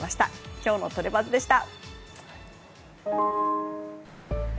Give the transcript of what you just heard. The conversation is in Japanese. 今日のトレバズでした。